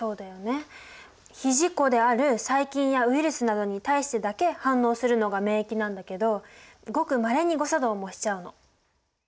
非自己である細菌やウイルスなどに対してだけ反応するのが免疫なんだけどごくまれに誤作動もしちゃうの。